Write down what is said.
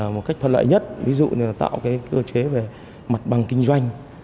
một cách thuận lợi nhất ví dụ như là tạo cơ chế về mặt bằng kinh doanh